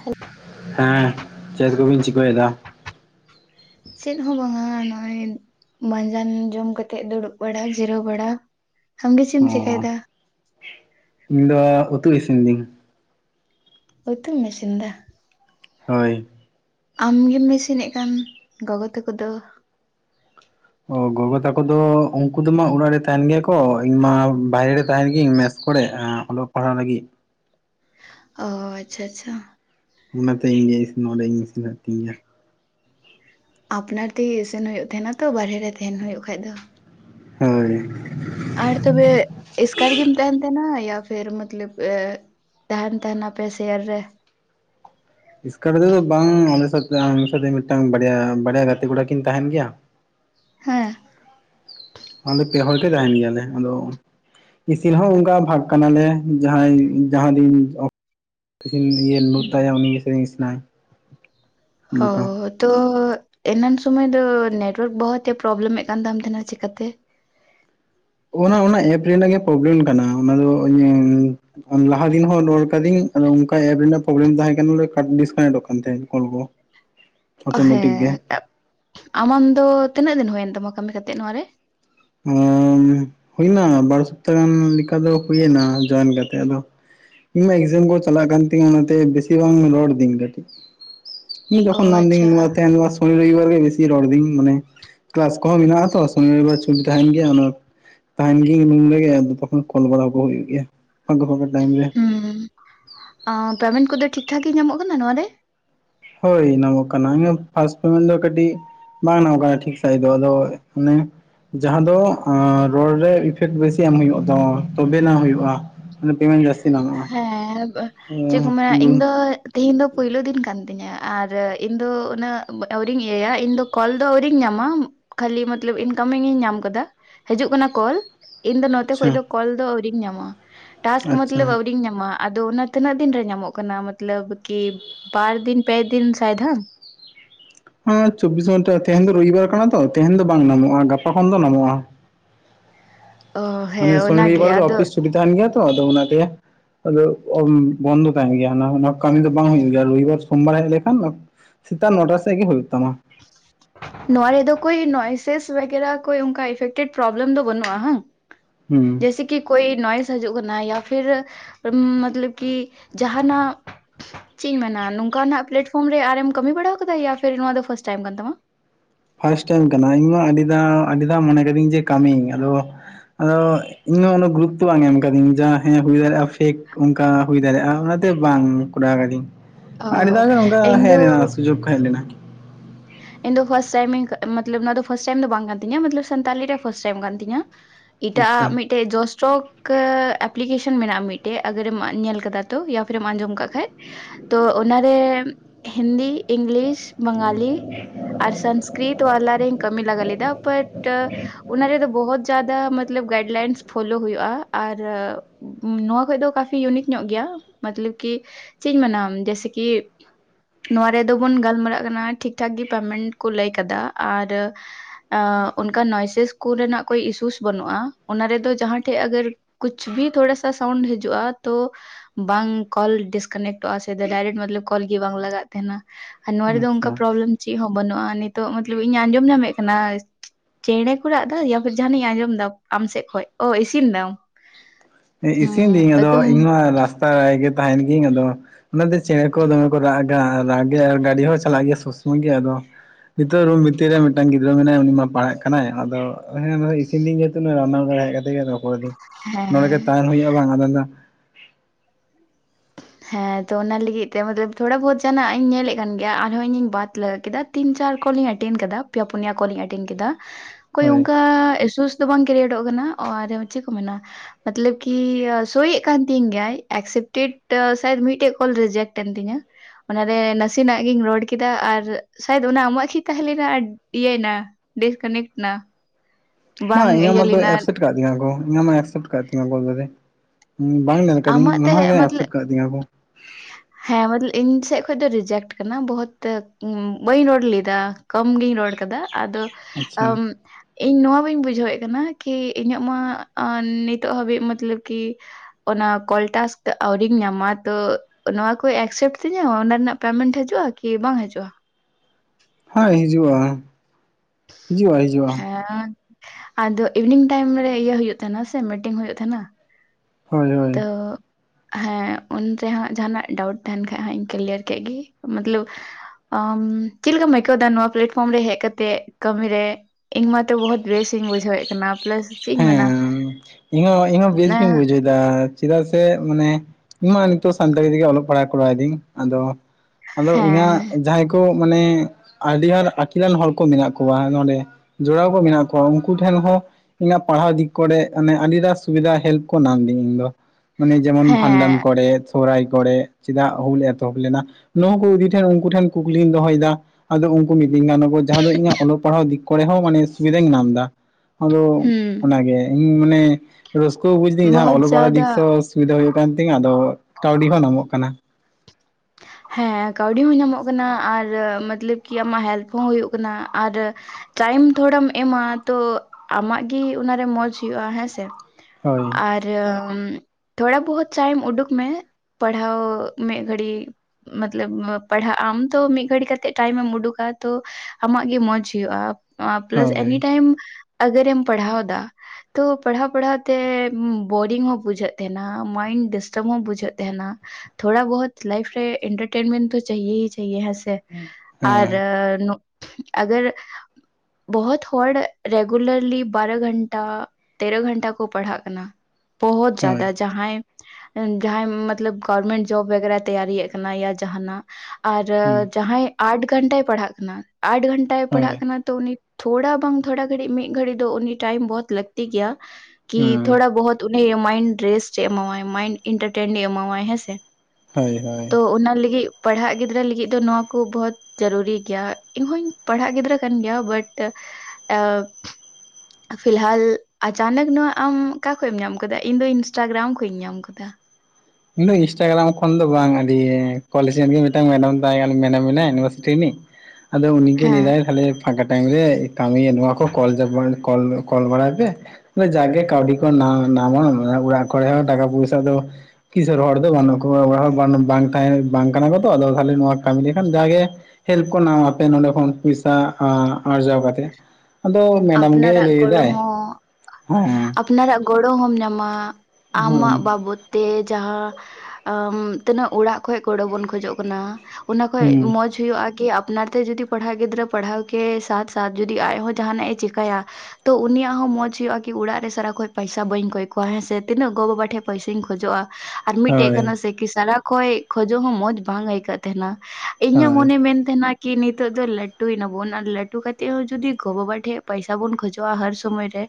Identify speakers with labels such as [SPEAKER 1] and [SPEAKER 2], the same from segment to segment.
[SPEAKER 1] Hello [unintelligible]
[SPEAKER 2] ᱦᱮᱸ ᱪᱮᱫ ᱠᱚᱵᱤᱧ ᱪᱤᱠᱟᱹᱭᱮᱫᱟ?
[SPEAKER 1] ᱪᱮᱫ ᱦᱚᱸ ᱵᱟᱝᱟ ᱱᱚᱜᱼᱚᱭ ᱢᱟᱸᱡᱟᱱ ᱡᱚᱢ ᱠᱟᱛᱮᱜ ᱫᱩᱲᱩᱵ ᱵᱟᱲᱟ ᱡᱤᱨᱟᱹᱣ ᱵᱟᱲᱟ᱾ ᱟᱢᱜᱮ ᱪᱮᱫ ᱮᱢ
[SPEAKER 2] ᱚ
[SPEAKER 1] ᱪᱮᱠᱟᱭᱮᱫᱟ
[SPEAKER 2] ᱤᱧ ᱫᱚ ᱩᱛᱩ ᱤᱥᱤᱱ ᱫᱤᱧ᱾
[SPEAKER 1] ᱩᱛᱩᱢ ᱤᱥᱤᱱ ᱫᱟ?
[SPEAKER 2] ᱦᱚᱭ᱾
[SPEAKER 1] ᱟᱢ ᱜᱮᱢ ᱤᱥᱤᱱᱮᱫ ᱠᱟᱱ ᱜᱚᱜᱚ ᱛᱮᱠᱚ ᱫᱚ?
[SPEAKER 2] ᱚ ᱜᱚᱜᱚ ᱛᱟᱠᱚ ᱫᱚ ᱩᱱᱠᱩ ᱫᱚ ᱢᱟ ᱚᱲᱟᱜ ᱨᱮ ᱛᱟᱦᱮᱱ ᱜᱮᱭᱟ ᱠᱚ, ᱤᱧ ᱢᱟ ᱵᱟᱭᱨᱮ ᱨᱮ ᱛᱟᱦᱮᱱ ᱜᱤᱭᱟᱹᱧ ᱢᱮᱥ ᱠᱚᱨᱮ᱾ ᱚᱞᱚᱜ ᱯᱟᱲᱦᱟᱜ ᱞᱟᱹᱜᱤᱫ᱾
[SPEAKER 1] ᱚ ᱟᱪᱪᱷᱟ ᱪᱷᱟ᱾
[SPEAKER 2] ᱚᱱᱟᱛᱮ [unintelligible] ᱤᱝᱞᱤᱥ ᱱᱚᱰᱮ ᱤᱥᱤᱱᱮᱜ ᱛᱤᱧᱟ᱾
[SPEAKER 1] ᱟᱯᱱᱟᱨ ᱛᱮ ᱤᱥᱤᱱ ᱦᱩᱭᱩᱜ ᱛᱟᱦᱮᱱᱟ ᱛᱚ ᱵᱟᱨᱦᱮ ᱨᱮ ᱛᱟᱦᱮᱱ ᱦᱩᱭᱩᱜ ᱠᱷᱟᱡ ᱫᱚ᱾
[SPEAKER 2] ᱦᱚᱭ᱾
[SPEAKER 1] ᱟᱨ ᱛᱚᱵᱮ ᱮᱥᱠᱟᱨ ᱜᱮᱢ ᱛᱟᱦᱮᱱ ᱛᱟᱦᱮᱱᱟ ᱭᱟ ᱯᱷᱤᱨ ᱢᱟᱛᱞᱚᱵ ᱛᱟᱦᱮᱱ ᱛᱟᱦᱮᱱ ᱟᱯᱮ ᱥᱮᱭᱟᱨ ᱨᱮ᱾
[SPEAKER 2] ᱮᱥᱠᱟᱨ ᱛᱮᱫᱚ ᱵᱟᱝ ᱟᱞᱮ ᱥᱟᱛᱮ ᱟᱢ ᱥᱟᱛᱮ ᱢᱤᱫᱴᱟᱝ ᱵᱟᱨᱭᱟ ᱵᱟᱨᱭᱟ ᱜᱟᱛᱮ ᱠᱚᱲᱟ ᱠᱤᱱ ᱛᱟᱦᱮᱱ ᱜᱮᱭᱟ᱾
[SPEAKER 1] ᱦᱮᱸ᱾
[SPEAKER 2] ᱟᱞᱮ ᱯᱮ ᱦᱚᱲ ᱛᱮ ᱛᱟᱦᱮᱱ ᱜᱮᱭᱟᱞᱮ᱾ ᱟᱫᱚ ᱤᱥᱤᱱ ᱦᱚᱸ ᱚᱱᱠᱟ ᱵᱷᱟᱜ ᱠᱟᱱᱟᱞᱮ ᱡᱟᱦᱟᱸᱭ ᱡᱟᱦᱟᱸ ᱫᱤᱱ ᱚᱯ ᱛᱤᱥᱤᱱ ᱤᱭᱟᱹ ᱞᱩᱛᱟᱭᱟ ᱩᱱᱤ ᱜᱮ ᱤᱥᱤᱱᱟᱭ᱾ ᱚᱱᱠᱟ
[SPEAKER 1] ᱦᱚᱫ᱾ ᱛᱚ ᱮᱱᱟᱱ ᱥᱚᱢᱚᱭ ᱫᱚ ᱱᱮᱴᱣᱟᱨᱠ ᱵᱚᱦᱚᱛ ᱮ ᱯᱨᱚᱵᱞᱮᱢᱮᱜ ᱠᱟᱱ ᱛᱟᱢ ᱛᱟᱦᱮᱱᱟ ᱪᱮᱠᱟᱛᱮ?
[SPEAKER 2] ᱚᱱᱟ ᱚᱱᱟ ᱮᱯ ᱨᱮᱱᱟᱜ ᱜᱮ ᱯᱨᱚᱵᱞᱮᱱ ᱠᱟᱱᱟ, ᱚᱱᱟ ᱫᱚ ᱤᱧ ᱞᱟᱦᱟ ᱫᱤᱱ ᱦᱚᱸ ᱨᱚᱲ ᱠᱟᱫᱤᱧ ᱟᱫᱚ ᱚᱱᱠᱟ ᱮᱯ ᱨᱮᱱᱟᱜ ᱯᱨᱚᱵᱞᱮᱢ ᱛᱟᱦᱮᱸ ᱠᱟᱱᱟ ᱰᱤᱥᱠᱟᱱᱮᱴᱚᱜ ᱠᱟᱱ ᱛᱟᱦᱮᱸᱫ ᱠᱚᱞ ᱠᱚ᱾ [inaudible] ᱜᱮ
[SPEAKER 1] ᱦᱮᱸ ᱟᱢᱟᱝ ᱫᱚ ᱛᱤᱱᱟᱹᱜ ᱫᱤᱱ ᱦᱩᱭᱮᱱ ᱛᱟᱢᱟ ᱠᱟᱹᱢᱤ ᱠᱟᱛᱮᱫ ᱱᱚᱣᱟ ᱨᱮ?
[SPEAKER 2] ᱚᱻ ᱦᱩᱭ ᱮᱱᱟ ᱵᱟᱨ ᱥᱚᱯᱛᱟ ᱜᱟᱱ ᱞᱮᱠᱟ ᱫᱚ ᱦᱩᱭᱮᱱᱟ ᱡᱚᱭᱮᱱ ᱠᱟᱛᱮᱜ, ᱟᱫᱚ ᱤᱧᱢᱟ ᱮᱠᱡᱟᱢ ᱠᱚ ᱪᱟᱞᱟᱜ ᱠᱟᱱ ᱛᱤᱧ ᱚᱱᱟᱛᱮ ᱵᱤᱥᱤ ᱵᱟᱝ ᱨᱚᱲ ᱫᱤᱧ ᱠᱟᱹᱴᱤᱡ᱾ ᱤᱧ
[SPEAKER 1] ᱚ
[SPEAKER 2] ᱡᱚᱠᱷᱚᱱ ᱱᱟᱢ ᱫᱤᱧ
[SPEAKER 1] ᱟᱪᱪᱷᱟ
[SPEAKER 2] ᱱᱚᱣᱟ [unintelligible] ᱥᱚᱱᱤ ᱨᱚᱵᱤᱵᱟᱨ ᱜᱮ ᱵᱤᱥᱤ ᱨᱚᱲᱫᱟᱹᱧ ᱢᱟᱱᱮ ᱠᱞᱟᱥ ᱠᱚᱦᱚᱸ ᱢᱮᱱᱟᱜᱼᱟ ᱛᱚ ᱥᱚᱱᱤ ᱨᱚᱵᱤᱟᱨ ᱪᱷᱩᱴᱤ ᱛᱟᱦᱮᱱ ᱜᱮᱭᱟ ᱚᱱᱟ ᱴᱟᱭᱤᱢ ᱜᱤᱧ ᱞᱮᱜᱮ ᱟᱫᱚ ᱛᱚᱠᱷᱚᱱ ᱠᱚᱞ ᱵᱟᱲᱟᱣ ᱠᱚ ᱦᱩᱭᱩᱜ ᱜᱮᱭᱟ᱾ ᱯᱷᱟᱸᱠᱟ ᱯᱷᱟᱸᱠᱟ ᱴᱟᱭᱤᱢ ᱨᱮ᱾
[SPEAKER 1] ᱦᱩᱸ ᱯᱮᱢᱮᱱᱴ ᱠᱚᱫᱚ ᱴᱷᱤᱠ ᱴᱷᱟᱠ ᱜᱤ ᱧᱟᱢᱚᱜ ᱠᱟᱱᱟ ᱱᱚᱣᱟ ᱨᱮ?
[SPEAKER 2] ᱦᱚᱭ ᱱᱟᱢᱚᱜ ᱠᱟᱱᱟ, ᱤᱧᱟᱹᱜ ᱯᱷᱟᱥᱴ ᱯᱮᱢᱮᱱᱴ ᱫᱚ ᱠᱟᱹᱴᱤᱡ ᱵᱟᱝ ᱱᱟᱢ ᱠᱟᱱᱟ ᱴᱷᱤᱠ ᱥᱟᱦᱤᱡ ᱫᱚ ᱟᱫᱚ ᱚᱱᱮ ᱡᱟᱦᱟᱸ ᱫᱚ ᱨᱚᱲ ᱨᱮ ᱤᱯᱷᱮᱠᱴ ᱵᱮᱥᱤ ᱮᱢ ᱦᱩᱭᱩᱜ ᱛᱟᱢᱟ ᱛᱚᱵᱮ ᱮᱱᱟᱝ ᱦᱩᱭᱩᱜᱼᱟ᱾ ᱯᱮᱢᱮᱱᱴ ᱡᱟᱥ
[SPEAKER 1] ᱦᱮᱸ ᱪᱮᱜ ᱠᱚ ᱢᱮᱱᱟ ᱤᱧ ᱫᱚ ᱛᱤᱦᱤᱧ ᱫᱚ ᱯᱩᱭᱞᱩ ᱫᱤᱱ ᱠᱟᱱ ᱛᱤᱧᱟᱹ ᱟᱨ ᱤᱧ ᱫᱚ ᱩᱱᱟᱹᱜ ᱟᱹᱣᱨᱤᱧ ᱤᱭᱟᱹᱭᱟ ᱤᱧ ᱫᱚ ᱠᱚᱞ ᱫᱚ ᱟᱹᱣᱨᱤᱧ ᱧᱟᱢᱟ ᱠᱷᱟᱹᱞᱤ ᱢᱚᱛᱞᱚᱵ ᱤᱱᱠᱟᱢᱤᱝ ᱤᱧ ᱧᱟᱢ ᱠᱟᱫᱟ ᱦᱤᱡᱩᱜ ᱠᱟᱱᱟ ᱠᱚᱞ ᱤᱧ ᱫᱚ ᱱᱚᱛᱮ ᱠᱷᱚᱡ
[SPEAKER 2] ᱟᱪᱪᱷᱟ
[SPEAKER 1] ᱫᱚ ᱠᱚᱞ ᱫᱚ ᱟᱹᱣᱨᱤᱧ ᱧᱟᱢᱟ ᱴᱟᱥᱠ
[SPEAKER 2] ᱟᱪᱪᱷᱟ
[SPEAKER 1] ᱢᱚᱛᱞᱚᱵ ᱤᱧ ᱧᱟᱢᱟ ᱟᱫᱚ ᱚᱱᱟ ᱛᱤᱱᱟᱹᱜ ᱫᱤᱱ ᱨᱮ ᱧᱟᱢᱚᱜ ᱠᱟᱱᱟ ᱢᱚᱛᱞᱚᱵ ᱠᱤ ᱵᱟᱨ ᱫᱤᱱ ᱯᱮ ᱫᱤᱱ ᱥᱟᱭᱫᱷᱟᱢ᱾
[SPEAKER 2] ᱦᱮᱸ ᱪᱚᱵᱤᱥ ᱜᱷᱚᱱᱴᱟ ᱛᱮᱦᱮᱧ ᱫᱚ ᱨᱚᱵᱤᱵᱟᱨ ᱠᱟᱱᱟ ᱛᱚ, ᱛᱮᱦᱮᱧ ᱫᱚ ᱵᱟᱝ ᱱᱟᱢᱚᱜᱼᱟ, ᱜᱟᱯᱟ ᱠᱷᱚᱱ ᱫᱚ ᱱᱟᱢᱚᱜᱼᱟ᱾
[SPEAKER 1] ᱚ ᱦᱮᱸ
[SPEAKER 2] ᱢᱟᱱᱮ ᱥᱚᱱᱤ
[SPEAKER 1] ᱚᱱᱟᱜᱮ
[SPEAKER 2] ᱨᱚᱵᱤᱵᱟᱨ ᱫᱚ
[SPEAKER 1] ᱟᱫᱚ
[SPEAKER 2] ᱚᱯᱷᱤᱥ ᱪᱷᱩᱴᱤ ᱛᱟᱦᱮᱱ ᱜᱮᱭᱟ ᱛᱚ ᱟᱫᱚ ᱚᱱᱟᱛᱮ ᱟᱫᱚ ᱵᱚᱱᱫᱚ ᱛᱟᱦᱮᱱ ᱜᱮᱭᱟ ᱚᱱᱟ ᱠᱟᱢᱤ ᱫᱚ ᱵᱟᱝ ᱦᱩᱭᱩᱜ ᱜᱮᱭᱟ ᱨᱚᱵᱤᱵᱟᱨ ᱥᱚᱢᱵᱟᱨ ᱦᱮᱡ ᱞᱮᱠᱷᱟᱱ ᱥᱮᱛᱟᱜ ᱱᱚᱴᱟ ᱥᱮᱜ ᱜᱮ ᱦᱩᱭᱩᱜ ᱛᱟᱢᱟ᱾
[SPEAKER 1] ᱱᱚᱣᱟ ᱨᱮᱫᱚ ᱠᱳᱭ ᱱᱚᱭᱥᱮᱥ ᱵᱮᱜᱮᱨᱟ ᱠᱳᱭ ᱚᱝᱠᱟ ᱤᱯᱷᱮᱠ ᱴᱮᱴ ᱯᱨᱚᱵᱞᱮᱢ ᱫᱚ ᱵᱟᱹᱱᱩᱜᱼᱟ, ᱦᱟᱸᱝ ᱾
[SPEAKER 2] ᱦᱩᱸ
[SPEAKER 1] ᱡᱮᱥᱮ ᱠᱤ ᱠᱳᱭ ᱱᱚᱭᱮᱥ ᱦᱟᱡᱩᱜ ᱠᱟᱱᱟᱭ ᱤᱭᱟ ᱯᱷᱤᱨ ᱢᱚᱛᱞᱚᱵ ᱠᱤ ᱡᱟᱦᱟᱱᱟᱜ ᱪᱮᱜ ᱤᱧ ᱢᱮᱱᱟ, ᱱᱚᱝᱠᱟᱱᱟᱜ ᱯᱞᱮᱴᱯᱷᱚᱨᱢ ᱨᱮ ᱟᱨᱮᱢ ᱠᱟᱹᱢᱤ ᱵᱟᱲᱟᱣ ᱠᱟᱫᱟ ᱤᱭᱟ ᱯᱷᱮᱹᱨ ᱱᱚᱣᱟ ᱫᱚ ᱯᱷᱟᱥᱴ ᱴᱟᱭᱤᱢ ᱠᱟᱱ ᱛᱟᱢᱟ?
[SPEAKER 2] ᱯᱷᱟᱥᱴ ᱴᱟᱭᱤᱢ ᱠᱟᱱᱟ ᱤᱧᱢᱟ ᱟᱹᱰᱤ ᱫᱷᱟᱣ ᱟᱹᱰᱤ ᱫᱷᱟᱣ ᱢᱚᱱᱮ ᱠᱟᱹᱫᱤᱧ ᱡᱮ ᱠᱟᱹᱢᱤᱭᱤᱧ, ᱟᱫᱚ ᱟᱫᱚ ᱤᱧ ᱢᱟ ᱩᱱᱚᱜ ᱜᱩᱨᱩᱛᱛᱚ ᱵᱟᱝ ᱮᱢ ᱠᱟᱫᱤᱧ ᱡᱟ ᱦᱮᱸ ᱦᱩᱭ ᱫᱟᱲᱮᱭᱟᱜᱼᱟ ᱯᱷᱮᱹᱠ, ᱚᱝᱠᱟ ᱦᱩᱭ ᱫᱟᱲᱮᱭᱟᱜᱼᱟ ᱚᱱᱟᱛᱮ ᱵᱟᱝ ᱠᱚᱨᱟᱣ ᱠᱟᱫᱤᱧ
[SPEAKER 1] ᱚ
[SPEAKER 2] ᱾ ᱟᱰᱤ ᱫᱷᱟᱣ ᱜᱮ ᱱᱚᱝᱠᱟ
[SPEAKER 1] ᱤᱧ
[SPEAKER 2] ᱦᱮᱡ
[SPEAKER 1] ᱫᱚ
[SPEAKER 2] ᱞᱮᱱᱟ ᱥᱩᱡᱳᱜ ᱠᱚ ᱦᱮᱡ ᱞᱮᱱᱟ ᱾
[SPEAKER 1] ᱤᱧ ᱫᱚ ᱯᱷᱟᱥᱴ ᱴᱟᱭᱤᱢ ᱤᱧ ᱢᱟᱹᱛᱞᱟᱹᱵ ᱱᱚᱣᱟ ᱯᱷᱟᱥᱴ ᱴᱟᱭᱤᱢ ᱫᱚ ᱵᱟᱝ ᱠᱟᱱ ᱛᱤᱧᱟᱹ, ᱢᱟᱹᱛᱞᱟᱹᱵ ᱥᱟᱱᱛᱟᱞᱤ ᱨᱮ ᱯᱷᱟᱹᱥᱴ ᱴᱟᱭᱤᱢ ᱠᱟᱱ ᱛᱤᱧᱟ ᱾ ᱮᱴᱟᱜ
[SPEAKER 2] ᱟᱪᱪᱷᱟ
[SPEAKER 1] ᱟᱜ ᱢᱤᱫ ᱢᱤᱫᱴᱮᱡ ᱡᱚᱥᱴᱚᱠ ᱮᱻ ᱮᱯᱞᱤᱠᱮᱥᱮᱱ ᱢᱮᱱᱟᱜᱼᱟ ᱢᱤᱫᱴᱮᱜ ᱟᱜᱟᱨᱮᱢ ᱧᱮᱞ ᱠᱟᱫᱟ ᱛᱚ ᱭᱟ ᱯᱷᱤᱨᱮᱢ ᱟᱸᱡᱚᱢ ᱠᱟᱜ ᱠᱷᱟᱡ ᱾ ᱛᱚ ᱚᱱᱟᱨᱮ ᱦᱤᱱᱫᱤ, ᱤᱝᱞᱤᱥ, ᱵᱟᱝᱜᱟᱞᱤ ᱥᱟᱝᱥᱠᱨᱤᱛ ᱵᱟᱞᱟ ᱨᱤᱝ ᱠᱟᱹᱢᱤ ᱞᱟᱜᱟ ᱞᱮᱫᱟ ᱵᱟᱴ ᱟ ᱚᱱᱟ ᱨᱮᱫᱚ ᱵᱚᱦᱚᱛ ᱡᱟᱫᱟ ᱢᱟᱛᱞᱚᱵ ᱜᱟᱭᱤᱰ ᱞᱟᱭᱤᱱᱥ ᱯᱷᱳᱞᱳ ᱦᱩᱭᱩᱜᱼᱟ ᱟᱨ ᱱᱚᱣᱟ ᱠᱷᱚᱡ ᱫᱚ ᱠᱟᱯᱷᱤ ᱤᱭᱩᱱᱤᱠ ᱧᱚᱜ ᱜᱮᱭᱟ, ᱢᱚᱛᱞᱚᱵ ᱠᱤ ᱪᱮᱜ ᱤᱧ ᱢᱮᱱᱟ ᱡᱮᱥᱮ ᱠᱤ ᱱᱚᱣᱟ ᱨᱮᱫᱚᱵᱚᱱ ᱜᱟᱞᱢᱟᱨᱟᱜ ᱠᱟᱱᱟ ᱴᱷᱤᱠ ᱴᱷᱟᱠ ᱜᱮ ᱯᱮᱢᱮᱱᱴ ᱠᱚ ᱞᱟᱹᱭ ᱠᱟᱫᱟ ᱟᱨ ᱟᱸᱻ ᱚᱱᱠᱟ ᱱᱚᱭᱥᱮᱥ ᱠᱚᱨᱮᱱᱟᱜ ᱠᱳᱭ ᱤᱥᱩᱥ ᱵᱟᱹᱱᱩᱜᱼᱟ, ᱚᱱᱟ ᱨᱮᱫᱚ ᱡᱟᱸᱦᱟᱸ ᱴᱷᱮᱡ ᱟᱜᱟᱨ ᱠᱩᱪ ᱵᱷᱤ ᱛᱷᱚᱲᱟ ᱥᱟ ᱥᱟᱣᱩᱱᱰ ᱦᱤᱡᱩᱜᱼᱟ ᱛᱚ ᱵᱟᱝ ᱠᱚᱞ ᱰᱤᱥᱠᱟᱱᱮᱠᱴᱚᱜᱼᱟ ᱥᱮ ᱰᱟᱭᱨᱮᱠᱴ ᱢᱚᱛᱞᱚᱵ ᱠᱚᱞ ᱜᱮ ᱵᱟᱝ ᱞᱟᱜᱟᱜ ᱛᱟᱦᱮᱱᱟ ᱾ ᱟᱨ ᱱᱚᱣᱟ ᱨᱮᱫᱚ ᱚᱝᱠᱟ
[SPEAKER 2] ᱟᱪᱪᱷᱟ
[SPEAKER 1] ᱯᱨᱚᱵᱽᱞᱮᱢ ᱪᱮᱫ ᱦᱚᱸ ᱵᱟᱹᱱᱩᱜᱼᱟ, ᱱᱤᱛᱚᱜ ᱢᱚᱛᱞᱚᱵ ᱤᱧ ᱟᱸᱡᱚᱢ ᱧᱟᱢᱮᱫ ᱠᱟᱱᱟ ᱪᱮᱬᱮ ᱠᱚ ᱨᱟᱜ ᱫᱟ ᱤᱭᱟ ᱯᱷᱤᱨ ᱡᱟᱦᱟᱱᱤᱡ ᱟᱸᱡᱚᱢ ᱫᱟ ᱟᱢ ᱥᱮᱜ ᱠᱷᱚᱡ, ᱚ ᱤᱥᱤᱱ ᱫᱟᱢ ᱾
[SPEAKER 2] ᱦᱮᱸ, ᱤᱥᱤᱱ ᱫᱤᱧ ᱟᱫᱚ ᱤᱧᱢᱟ ᱨᱟᱥᱛᱟ ᱨᱮᱜᱮ ᱛᱟᱦᱮᱱ ᱜᱤᱭᱟᱹᱧ ᱟᱫᱚ ᱚᱱᱟᱛᱮ ᱪᱮᱬᱮ ᱠᱚ ᱫᱚᱢᱮ ᱠᱚ ᱨᱟᱜ ᱮᱰᱟ ᱟᱨ ᱟᱰᱰᱤ ᱦᱚ ᱜᱟᱹᱰᱤ ᱦᱚᱸ ᱪᱟᱞᱟᱜ ᱜᱮᱭᱟ ᱥᱚᱵ ᱥᱚᱢᱚᱭ ᱜᱮ, ᱟᱫᱚ ᱱᱤᱛᱚᱜ ᱨᱩᱢ ᱵᱷᱤᱛᱤᱨ ᱨᱮ ᱢᱤᱫᱴᱟᱝ ᱜᱤᱫᱽᱨᱟᱹ ᱢᱮᱱᱟᱭᱟ ᱩᱱᱤ ᱢᱟ ᱯᱟᱲᱦᱟᱜ ᱠᱟᱱᱟᱭ, ᱟᱫᱚ ᱦᱮᱸ ᱱᱚᱜᱼᱚᱭ ᱤ ᱛᱤᱱ ᱫᱤᱱ ᱡᱮᱦᱮᱛᱩ ᱚᱱᱟ ᱨᱟᱱᱱᱟ ᱵᱟᱲᱟ ᱦᱮᱜ ᱠᱟᱛᱮ ᱜᱮ ᱟᱫᱚ ᱯᱚᱨᱮ ᱫᱤᱱ
[SPEAKER 1] ᱦᱮᱸ ᱾
[SPEAKER 2] ᱱᱚᱸᱰᱮ ᱜᱮ ᱛᱟᱦᱮᱱ ᱦᱩᱭᱩᱜᱼᱟ ᱵᱟᱝ ᱟᱞᱟᱫᱟ ᱾
[SPEAKER 1] ᱦᱮᱸ ᱛᱚ ᱚᱱᱟ ᱞᱟᱹᱜᱤᱫ ᱛᱮ ᱢᱚᱛᱞᱚᱵ ᱛᱷᱚᱲᱟ ᱵᱚᱦᱚᱛ ᱡᱟᱦᱟᱱᱟᱜ ᱤᱧ ᱧᱮᱞᱮᱜ ᱠᱟᱱ ᱜᱮᱭᱟ ᱟᱨᱦᱚᱸ ᱤᱧᱤᱧ ᱵᱟᱫ ᱞᱮᱜᱟ ᱠᱮᱫᱟ ᱾ ᱛᱤᱱ ᱪᱟᱨ ᱠᱚᱞ ᱤᱧ ᱮᱴᱮᱱᱰ ᱠᱟᱫᱟ, ᱯᱮᱭᱟ ᱯᱩᱱᱭᱟ ᱠᱚᱞᱤᱧ ᱮᱴᱮᱱᱰ ᱠᱮᱫᱟ ᱾
[SPEAKER 2] [inaudible]
[SPEAKER 1] ᱚᱠᱚᱭ ᱚᱝᱠᱟ ᱮᱥᱩᱥ ᱫᱚ ᱵᱟᱝ ᱠᱨᱤᱭᱮᱴᱚᱜ ᱠᱟᱱᱟ ᱟᱨ ᱪᱮᱜ ᱠᱚ ᱢᱮᱱᱟ ᱢᱚᱛᱞᱚᱵ ᱠᱤ ᱥᱳᱭᱮᱜ ᱠᱟᱱ ᱛᱤᱧ ᱜᱮᱭᱟᱭ ᱮᱠᱥᱮᱯᱴᱮᱰ ᱾ ᱴᱟᱹ ᱥᱟᱭᱟᱫ ᱢᱤᱫᱴᱮᱜ ᱠᱚᱞ ᱨᱮᱡᱮᱠᱴ ᱮᱱ ᱛᱤᱧᱟᱹ ᱾ ᱚᱱᱟᱨᱮ ᱱᱟᱥᱮᱱᱟᱜ ᱜᱤᱧ ᱨᱚᱲ ᱠᱮᱫᱟ ᱟᱨ ᱥᱟᱭᱟᱫ ᱚᱱᱟ ᱟᱢᱟᱜ ᱠᱤ ᱛᱟᱦᱮᱸᱞᱮᱱᱟ ᱟᱰ ᱤᱭᱟᱹᱭᱱᱟ ᱰᱤᱥᱠᱟᱱᱮᱠᱴ ᱱᱟ ᱾
[SPEAKER 2] ᱵᱟᱝ ᱤᱧᱟᱹᱜ ᱢᱟᱛᱚ ᱮᱠᱥᱮᱯᱴ ᱠᱟᱜ ᱛᱤᱧᱟᱹ ᱠᱚ, ᱤᱧᱟ ᱢᱟ ᱮᱠᱥᱮᱯᱴ ᱠᱟᱜ ᱛᱤᱧᱟᱹ ᱠᱚ ᱵᱚᱞᱮ ᱾ ᱵᱟᱝ ᱧᱮᱞ ᱠᱟᱫᱤᱧ
[SPEAKER 1] ᱟᱢᱟᱜ ᱛᱮ
[SPEAKER 2] ᱢᱚᱱᱮᱦᱚᱭ
[SPEAKER 1] ᱢᱚᱛᱞᱚᱵ
[SPEAKER 2] ᱮᱠᱥᱮᱯᱴ ᱠᱟᱜ ᱛᱤᱧᱟ ᱠᱚ ᱾
[SPEAKER 1] ᱦᱮᱸ ᱢᱟᱛ ᱤᱧ ᱥᱮᱜ ᱠᱷᱚᱱ ᱫᱚ ᱨᱮᱤᱡᱮᱠᱴ ᱠᱟᱱᱟ ᱵᱚᱦᱚᱛ ᱵᱟᱹᱧ ᱨᱚᱲᱞᱮᱫᱟ ᱾ ᱠᱚᱢ ᱜᱤᱧ ᱨᱚᱲ ᱠᱟᱫᱟ, ᱟᱫᱚ
[SPEAKER 2] ᱟᱪᱪᱷᱟ
[SPEAKER 1] ᱟᱢ ᱤᱧ ᱱᱚᱣᱟ ᱵᱟᱹᱧ ᱵᱩᱡᱷᱟᱹᱣᱮᱜ ᱠᱟᱱᱟ ᱤᱧᱟᱹᱜ ᱢᱟ ᱟᱸ ᱱᱤᱛᱚᱜ ᱦᱟᱹᱵᱤᱡ ᱢᱚᱛᱞᱚᱵ ᱠᱤ ᱚᱱᱟ ᱠᱚᱞ ᱴᱟᱥᱠ ᱟᱹᱣᱨᱤᱧ ᱧᱟᱢᱟ ᱛᱚ ᱱᱚᱣᱟ ᱠᱚ ᱮᱠᱥᱮᱯᱴ ᱛᱤᱧᱟᱹ ᱚᱱᱟ ᱱᱟᱜ ᱯᱮᱢᱮᱱᱴ ᱦᱤᱡᱩᱜᱼᱟ ᱠᱤ ᱵᱟᱝ ᱦᱤᱡᱩᱜᱼᱟ?
[SPEAKER 2] ᱦᱳᱭ ᱦᱤᱡᱩᱜᱼᱟ, ᱦᱤᱡᱩᱜᱼᱟ, ᱦᱤᱡᱩᱜᱼᱟ ᱾
[SPEAKER 1] ᱦᱮᱸ ᱟᱫᱚ ᱤᱵᱷᱤᱱᱤᱝ ᱴᱟᱭᱤᱢ ᱨᱮ ᱤᱭᱟᱹ ᱦᱩᱭᱩᱜ ᱛᱟᱦᱮᱱᱟ ᱥᱮ ᱢᱤᱴᱤᱝ ᱦᱩᱭᱩᱜ ᱛᱟᱦᱮᱱᱟ ᱾
[SPEAKER 2] ᱦᱳᱭ ᱦᱳᱭ
[SPEAKER 1] ᱛᱚ ᱦᱮᱸ ᱩᱱᱨᱮ ᱦᱟᱸᱜ ᱡᱟᱦᱟᱱᱟᱜ ᱰᱟᱣᱩᱴ ᱛᱟᱦᱮᱱ ᱠᱷᱟᱡ ᱦᱟᱸᱜ ᱤᱧ ᱠᱞᱤᱭᱟᱨ ᱠᱮᱜ ᱜᱮ, ᱢᱚᱛᱞᱚᱵ ᱟᱢ ᱪᱮᱫ ᱞᱮᱠᱟᱢ ᱟᱹᱭᱠᱟᱹᱣᱫᱟ ᱱᱚᱣᱟ ᱯᱞᱟᱴᱯᱷᱚᱨᱚᱢ ᱨᱮ ᱦᱮᱡ ᱠᱟᱛᱮᱜ ᱠᱟᱹᱢᱤᱨᱮ ᱤᱧ ᱢᱟᱛᱚ ᱵᱚᱦᱩᱛ ᱵᱮᱥᱤᱧ ᱵᱩᱡᱷᱟᱹᱣᱮᱜ ᱠᱟᱱᱟ᱾ ᱯᱞᱟᱥ ᱪᱮᱫ ᱤᱧ ᱢᱮᱱᱟ
[SPEAKER 2] ᱦᱮᱸ ᱤᱧ ᱦᱚᱸ ᱤᱧ ᱦᱚᱸ ᱵᱮᱥ
[SPEAKER 1] ᱮᱸ
[SPEAKER 2] ᱜᱤᱧ ᱵᱩᱡᱷᱟᱹᱫᱟ ᱪᱮᱫᱟᱜ ᱥᱮ ᱢᱟᱱᱮ ᱤᱧ ᱢᱟ ᱱᱤᱛᱚᱜ ᱥᱟᱱᱛᱟᱲᱤ ᱛᱮᱜᱮ ᱚᱞᱚᱜ ᱯᱟᱲᱦᱟᱜ ᱠᱚᱨᱟᱣᱫᱤᱧ ᱟᱫᱚ ᱟᱫᱚ ᱤᱧᱟᱹᱜ
[SPEAKER 1] ᱦᱮᱸ
[SPEAKER 2] ᱡᱟᱦᱟᱸᱭ ᱠᱚ ᱠᱚ ᱢᱟᱱᱮ ᱟᱹᱰᱤᱜᱟᱱ ᱟᱹᱠᱤᱞᱟᱱ ᱦᱚᱲ ᱠᱚ ᱢᱮᱱᱟᱜ ᱠᱚᱣᱟ ᱱᱚᱰᱮ ᱡᱚᱲᱟᱣ ᱠᱚ ᱢᱮᱱᱟᱜ ᱠᱚᱣᱟ ᱩᱱᱠᱩ ᱴᱷᱮᱱ ᱦᱚᱸ ᱤᱧᱟᱹᱜ ᱯᱟᱲᱦᱟᱣ ᱫᱤᱠ ᱠᱚᱨᱮ ᱚᱱᱮ ᱟᱹᱰᱤᱴᱟᱥ ᱥᱩᱵᱤᱫᱷᱟ ᱦᱮᱞᱯ ᱠᱚ ᱱᱟᱢᱫᱤᱧ ᱤᱧ ᱫᱚ᱾ ᱢᱟᱱᱮ ᱡᱮᱢᱚᱱ ᱵᱷᱟᱱᱰᱟᱱ
[SPEAKER 1] ᱦᱮᱸ
[SPEAKER 2] ᱠᱚᱨᱮ ᱥᱚᱨᱦᱟᱭ ᱠᱚᱨᱮ ᱪᱮᱫᱟᱜ ᱦᱩᱞ ᱮᱛᱚᱦᱚᱵ ᱞᱮᱱᱟ ᱱᱚᱣᱟᱠᱩ ᱤᱫᱤ ᱴᱷᱮᱱ ᱩᱱᱠᱩ ᱴᱷᱮᱱ ᱠᱩᱠᱞᱤᱧ ᱫᱚᱦᱚᱭᱫᱟ ᱟᱫᱚ ᱩᱱᱠᱩ ᱢᱤᱛᱟᱹᱧ ᱠᱟᱱᱟ ᱠᱚ ᱡᱟᱦᱟᱸ ᱫᱚ ᱤᱧᱟᱹᱜ ᱚᱞᱚᱜ ᱯᱟᱲᱦᱟᱶ ᱫᱤᱠ ᱠᱚᱨᱮᱦᱚᱸ ᱢᱟᱱᱮ ᱥᱩᱵᱤᱫᱷᱟᱧ ᱧᱟᱢ ᱫᱟ ᱟᱫᱚ
[SPEAKER 1] ᱦᱩᱸ
[SPEAKER 2] ᱚᱱᱟᱜᱮ ᱤᱧ ᱢᱟᱱᱮ ᱨᱟᱹᱥᱠᱟᱹ ᱵᱩᱡᱫᱤᱧ ᱡᱟᱦᱟᱸ
[SPEAKER 1] ᱵᱚᱦᱚᱛ
[SPEAKER 2] ᱚᱞᱚᱜ ᱯᱟᱲᱦᱟᱣ
[SPEAKER 1] ᱡᱟᱫᱟ
[SPEAKER 2] ᱫᱤᱠ ᱥᱚ ᱦᱚ ᱥᱩᱵᱤᱫᱷᱟ ᱦᱩᱭᱩᱜ ᱠᱟᱱ ᱛᱤᱧᱟᱹ ᱟᱫᱚ ᱠᱟᱹᱣᱰᱤ ᱦᱚᱸ ᱧᱟᱢᱚᱜ ᱠᱟᱱᱟ᱾
[SPEAKER 1] ᱦᱮᱸ ᱠᱟᱹᱣᱰᱤ ᱦᱚᱸ ᱧᱟᱢᱚᱜ ᱠᱟᱱᱟ ᱟᱨ ᱢᱚᱛᱞᱚᱵ ᱠᱤ ᱟᱢᱟᱜ ᱦᱮᱞᱯ ᱦᱚᱸ ᱦᱩᱭᱩᱜ ᱠᱟᱱᱟ ᱟᱨ ᱴᱟᱭᱤᱢ ᱛᱷᱚᱲᱟᱢ ᱮᱢᱟ ᱛᱚ ᱟᱢᱟᱜ ᱜᱮ ᱚᱱᱟᱨᱮ ᱢᱚᱸᱡᱽ ᱦᱩᱭᱩᱜ-ᱟ ᱦᱮᱸᱥᱮ
[SPEAKER 2] ᱦᱳᱭ
[SPEAKER 1] ᱟᱨ ᱛᱷᱚᱲᱟ ᱵᱚᱦᱩᱛ ᱴᱟᱭᱤᱢ ᱩᱰᱩᱠ ᱢᱮ ᱯᱟᱲᱦᱟᱣ ᱢᱤᱫ ᱜᱷᱟᱹᱲᱤᱡ ᱢᱚᱛᱞᱚᱵ ᱯᱟᱲᱦᱟᱜ ᱟᱢ ᱛᱚ ᱢᱤᱫ ᱜᱷᱟᱹᱲᱤ ᱠᱟᱛᱮᱜ ᱴᱟᱭᱤᱢ ᱮᱢ ᱩᱰᱩᱠᱟ ᱛᱚ ᱟᱢᱟᱜ ᱜᱮ ᱢᱚᱸᱡᱽ ᱦᱩᱭᱩᱜ-ᱟ ᱯᱞᱟᱥ
[SPEAKER 2] ᱦᱳᱭ
[SPEAKER 1] ᱮᱱᱤᱴᱟᱭᱤᱢ ᱟᱜᱟᱨᱮᱢ ᱯᱟᱲᱦᱟᱣ ᱫᱟ ᱛᱚ ᱯᱟᱲᱦᱟᱣ ᱯᱟᱲᱦᱟᱣ ᱛᱮ ᱵᱳᱨᱤᱝ ᱦᱚᱸ ᱵᱩᱡᱷᱟᱹᱜ ᱛᱟᱦᱮᱱᱟ ᱢᱟᱭᱤᱱᱰ ᱰᱤᱥᱴᱟᱵ ᱦᱚᱸ ᱵᱩᱡᱷᱟᱹᱜ ᱛᱟᱦᱮᱱᱟ᱾ ᱛᱷᱚᱲᱟ ᱵᱚᱦᱚᱛ ᱞᱟᱭᱤᱯᱷ ᱮᱱᱴᱟᱨᱴᱮᱱᱢᱮᱱᱴ ᱛᱚ ᱪᱟᱭᱭᱮ ᱪᱟᱭᱭᱮ ᱦᱮᱸ ᱥᱮ ᱟᱨ
[SPEAKER 2] ᱦᱮᱸ
[SPEAKER 1] ᱟᱜᱟᱨ ᱵᱚᱦᱚᱛ ᱦᱚᱲ ᱨᱮᱜᱩᱞᱟᱨᱞᱤ ᱵᱟᱨᱟ ᱜᱷᱟᱱᱴᱟ ᱛᱮᱨᱚ ᱜᱷᱚᱱᱴᱟ ᱠᱚ ᱯᱟᱲᱦᱟᱜ ᱠᱟᱱᱟ ᱵᱚᱦᱚᱛ
[SPEAKER 2] ᱦᱳᱭ
[SPEAKER 1] ᱡᱟᱫᱟ ᱡᱟᱦᱟᱸᱭ ᱡᱟᱸᱦᱟᱭ ᱢᱚᱛᱞᱚᱵ ᱜᱚᱨᱢᱮᱱᱴ ᱡᱚᱵ ᱵᱟᱜᱮᱨᱟ ᱛᱮᱭᱟᱨᱤ ᱥᱟᱱᱟᱭᱭᱟ ᱡᱟᱦᱟᱱᱟᱜ ᱟᱨ
[SPEAKER 2] ᱦᱩᱸ
[SPEAKER 1] ᱡᱟᱦᱟᱸᱭ ᱟᱴ ᱜᱷᱚᱱᱴᱟᱭ ᱯᱟᱲᱦᱟᱜ ᱠᱟᱱᱟ ᱟᱴ ᱜᱷᱟᱱ ᱴᱟᱭ
[SPEAKER 2] ᱦᱳᱭ
[SPEAKER 1] ᱯᱟᱲᱦᱟᱜ ᱠᱟᱱᱟ ᱛᱚ ᱩᱱᱤ ᱛᱷᱚᱲᱟ ᱵᱟᱝ ᱛᱷᱚᱲᱟ ᱜᱷᱟᱹᱲᱤᱡ ᱢᱤᱫ ᱜᱷᱟᱹᱲᱤᱡ ᱫᱚ ᱩᱱᱤ ᱴᱟᱭᱤᱢ ᱵᱚᱦᱩᱛ ᱞᱟᱹᱠᱛᱤ ᱜᱮᱭᱟ᱾ ᱠᱤ
[SPEAKER 2] ᱦᱩᱸ
[SPEAKER 1] ᱛᱷᱚᱲᱟ ᱵᱚᱦᱚᱛ ᱩᱱᱤ ᱢᱟᱭᱤᱱᱰ ᱨᱮᱥᱴ ᱮᱢᱟᱣᱟ ᱢᱟᱭᱤᱱᱰ ᱮᱱᱴᱟᱨᱴᱮᱱ ᱮᱢᱟᱣᱟᱭ ᱦᱮᱸ ᱥᱮ
[SPEAKER 2] ᱦᱳᱭ ᱦᱳᱭ
[SPEAKER 1] ᱚᱱᱟ ᱞᱟᱹᱜᱤᱫ ᱯᱟᱲᱦᱟᱜ ᱜᱤᱫᱽᱨᱟᱹ ᱞᱟᱹᱜᱤᱫ ᱫᱚ ᱱᱚᱣᱟ ᱠᱚ ᱵᱚᱦᱚᱛ ᱡᱟᱹᱨᱩᱨᱤ ᱜᱮᱭᱟ ᱤᱧᱦᱚᱧ ᱯᱟᱲᱦᱟᱜ ᱜᱤᱫᱽᱨᱟᱹ ᱠᱟᱱ ᱜᱮᱭᱟ ᱵᱟᱴ
[SPEAKER 2] ᱦ [unintelligible]
[SPEAKER 1] ᱯᱷᱤᱞᱦᱟᱞ ᱟᱪᱟᱱᱚᱠ ᱱᱚᱣᱟ ᱟᱢ ᱚᱠᱟ ᱠᱷᱚᱡ ᱮᱢ ᱧᱟᱢ ᱟᱠᱟᱫᱟ ᱠᱮᱫᱟ ᱤᱧ ᱫᱚ ᱤᱱᱥᱴᱟᱜᱨᱟᱢ ᱠᱷᱚᱡ ᱤᱧ ᱧᱟᱢ ᱟᱠᱟᱫᱟ᱾
[SPEAKER 2] ᱤᱧ ᱫᱚ ᱤᱱᱥᱴᱟᱜᱨᱟᱢ ᱠᱷᱚᱱ ᱫᱚ ᱵᱟᱝ ᱟᱹᱰᱤ ᱠᱚᱞᱮᱡᱽ ᱨᱮᱱ ᱜᱮ ᱢᱤᱫᱴᱟᱝ ᱢᱮᱰᱟᱢ ᱛᱟᱦᱮᱱ ᱢᱮᱰᱟᱢ ᱢᱮᱱᱟᱭᱟ ᱤᱭᱩᱱᱤᱵᱷᱟᱨᱥᱤᱴᱤ ᱨᱤᱱᱤᱡ ᱟᱫᱚ ᱩᱱᱤ ᱜᱮ
[SPEAKER 1] ᱦᱮᱸ
[SPEAKER 2] ᱞᱟᱹᱭᱮᱫᱟᱭ ᱛᱟᱦᱚᱞᱮ ᱯᱷᱟᱠᱟ ᱴᱟᱭᱤᱢ ᱨᱮ ᱠᱟᱹᱢᱤ ᱱᱚᱣᱟ ᱠᱚ ᱠᱚᱞᱟ ᱠᱚ ᱠᱚᱞ ᱵᱟᱲᱟᱭ ᱯᱮ᱾ ᱡᱟᱜᱮ ᱠᱟᱹᱣᱰᱤ ᱠᱚ ᱱᱟᱢᱟᱢ ᱚᱲᱟᱜ ᱠᱚᱨᱮ ᱴᱟᱠᱟ ᱯᱚᱭᱥᱟ ᱫᱚ [unintelligible] ᱠᱤᱥᱳᱨ ᱦᱚᱲ ᱫᱚ ᱵᱟᱹᱱᱩᱜ ᱠᱚᱣᱟ ᱵᱟᱝ ᱛᱟᱦᱮᱸ ᱵᱟᱝ ᱠᱟᱱᱟ ᱠᱚᱛᱚ ᱟᱫᱚ ᱛᱟᱦᱚᱞᱮ ᱱᱚᱣᱟ ᱠᱟᱹᱢᱤ ᱞᱮᱠᱷᱟᱱ ᱡᱟᱜᱮ ᱦᱮᱞᱯ ᱠᱚ ᱧᱟᱡ ᱟᱯᱮ ᱱᱚᱰᱮ ᱠᱷᱚᱱ ᱯᱚᱭᱥᱟ ᱟᱨᱡᱟᱣ ᱠᱟᱛᱮᱫ᱾ ᱟᱫᱚ ᱢᱮᱰᱟᱢ ᱜᱮ
[SPEAKER 1] ᱟᱯᱱᱟᱨᱟᱜ
[SPEAKER 2] ᱞᱟᱹᱭ
[SPEAKER 1] ᱜᱚᱲᱚ
[SPEAKER 2] ᱮᱫᱟᱭ
[SPEAKER 1] ᱦᱚᱸ
[SPEAKER 2] ᱦᱮᱸ
[SPEAKER 1] ᱟᱯᱱᱟᱨᱟᱜ ᱜᱚᱲᱚ ᱦᱚᱢ ᱧᱟᱢᱟ
[SPEAKER 2] ᱦᱩᱸ
[SPEAKER 1] ᱟᱢᱟᱜ ᱵᱟᱵᱚᱫ ᱛᱮ ᱡᱟᱦᱟᱸ ᱛᱤᱱᱟᱹᱜ ᱚᱲᱟᱜ ᱠᱷᱚᱢ ᱜᱚᱲᱚ ᱵᱚᱱ ᱠᱷᱚᱡᱚᱜ ᱠᱟᱱᱟ ᱚᱱᱟ ᱠᱷᱚᱡ
[SPEAKER 2] ᱦᱩᱸ
[SPEAKER 1] ᱢᱚᱡᱽ ᱵᱩᱡ ᱦᱩᱭᱩᱜ-ᱟ ᱠᱤ ᱟᱯᱱᱟᱨ ᱛᱮ ᱡᱩᱫᱤ ᱯᱟᱲᱦᱟᱣ ᱜᱤᱫᱽᱨᱟᱹ ᱯᱟᱲᱦᱟᱣ ᱠᱮ ᱥᱟᱛ ᱥᱟᱛ ᱡᱩᱫᱤ ᱟᱡᱦᱚᱸ ᱡᱟᱦᱟᱱᱟᱜ- ᱮ ᱪᱤᱠᱟᱹᱭᱟ ᱛᱚ ᱩᱱᱤᱭᱟᱜ ᱦᱚᱸ ᱢᱚᱸᱡᱽ ᱦᱩᱭᱩᱜ-ᱟ ᱠᱤ ᱚᱲᱟᱜ ᱨᱮ ᱥᱟᱨᱟ ᱠᱷᱚᱡ ᱯᱚᱭᱥᱟ ᱵᱟᱹᱧ ᱠᱚᱭ ᱠᱚᱣᱟ ᱦᱮᱸ ᱥᱮ ᱛᱤᱱᱟᱹᱜ ᱜᱚ ᱵᱟᱵᱟ ᱴᱷᱮᱡ ᱯᱟᱹᱭᱥᱟᱹᱧ ᱠᱷᱚᱡᱚᱜᱼᱟ ᱟᱨ ᱢᱤᱫᱴᱮᱡ
[SPEAKER 2] ᱦᱳᱭ
[SPEAKER 1] ᱠᱟᱱᱟ ᱥᱮ ᱠᱤ ᱥᱟᱨᱟ ᱠᱷᱚᱡ ᱠᱷᱚᱡᱚᱜ ᱦᱚᱸ ᱢᱚᱸᱡᱽ ᱵᱟᱝ ᱟᱹᱭᱠᱟᱹᱜ ᱛᱟᱦᱮᱱᱟ᱾ ᱤᱧᱟᱹᱜ
[SPEAKER 2] ᱦᱳᱭ
[SPEAKER 1] ᱢᱚᱱᱮ ᱢᱮᱱ ᱛᱟᱦᱮᱱᱟ ᱠᱤ ᱱᱤᱛᱚᱜ ᱫᱚ ᱞᱟᱴᱩᱭ ᱱᱟᱵᱚᱱ ᱟᱼᱼ ᱞᱟᱹᱴᱩ ᱠᱟᱛᱮᱫ ᱦᱚᱸ ᱡᱩᱫᱤ ᱜᱚ ᱵᱟᱵᱟ ᱴᱷᱮᱡᱼᱼ ᱯᱟᱭᱥᱟ ᱵᱚᱱ ᱠᱷᱚᱡᱚᱜᱼᱟ ᱦᱟᱨ ᱥᱚᱢᱚᱭ ᱨᱮ